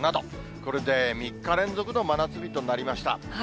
これで３日連続の真夏日となりました。